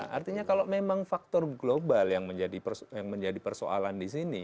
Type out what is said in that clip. artinya kalau memang faktor global yang menjadi persoalan di sini